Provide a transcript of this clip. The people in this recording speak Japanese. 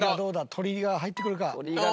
鶏が入ってくるか。